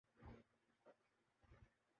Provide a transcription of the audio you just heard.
Usain bolt نے football کی دنیا میں قدم رکھ دیا